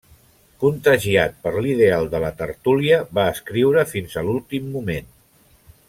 Contagiat per l'ideal de la tertúlia va escriure fins a l'últim moment.